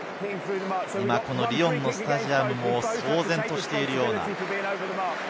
リヨンのスタジアムも騒然としているような。